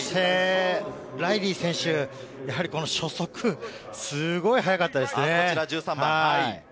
ライリー選手、この初速、すごい速かったですね。